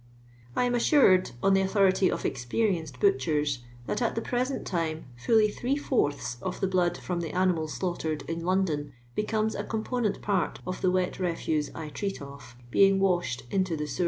I am assured, on the authority of experienced butchers, that at the present time fiilly three fourths of the blood from the animals slaughtered in London becomes a component part of the wet refuse I treat of, being washed into the sewen.